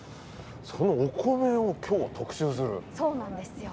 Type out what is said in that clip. そのお米を今日は特集する。